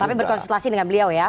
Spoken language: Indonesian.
tapi berkonsultasi dengan beliau ya